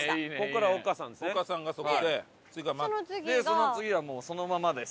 その次はもうそのままです。